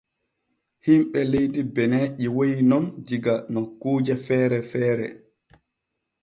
Himɓe leydi Bene ƴiwoy nun diga nokkuuje feere feere.